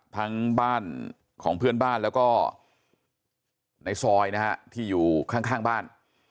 ทั้งบ้านของเพื่อนบ้านแล้วก็ในซอยนะฮะที่อยู่ข้างบ้าน